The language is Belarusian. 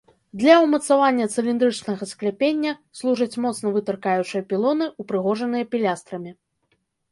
Для ўмацавання цыліндрычнага скляпення служаць моцна вытыркаючыя пілоны, упрыгожаныя пілястрамі.